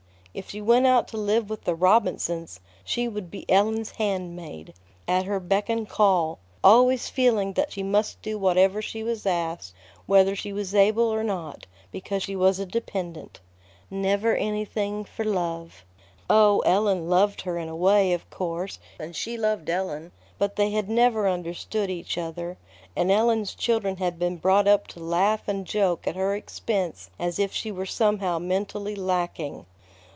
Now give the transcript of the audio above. If she went out to live with the Robinsons, she would be Ellen's handmaid, at her beck and call, always feeling that she must do whatever she was asked, whether she was able or not, because she was a dependent. Never anything for love. Oh, Ellen loved her in a way, of course, and she loved Ellen; but they had never understood each other, and Ellen's children had been brought up to laugh and joke at her expense as if she were somehow mentally lacking.